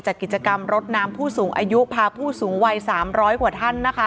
กิจกรรมรถน้ำผู้สูงอายุพาผู้สูงวัย๓๐๐กว่าท่านนะคะ